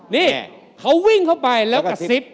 นี่เขาวิ่งเข้าไปแล้วกระซิบ